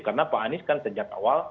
karena pak anies kan sejak awal